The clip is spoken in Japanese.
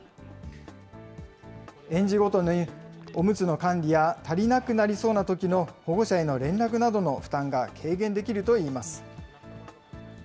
園児ごとにおむつの管理や足りなくなりそうなときの保護者への連絡などの負担が軽減できるといいます。